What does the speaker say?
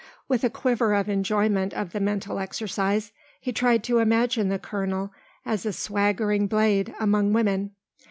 With a quiver of enjoyment of the mental exercise, he tried to imagine the colonel as a swaggering blade among women.